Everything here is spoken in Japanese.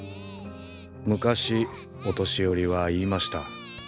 昔お年寄りは言いました。